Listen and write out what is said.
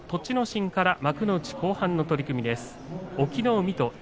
心から幕内後半の取組です。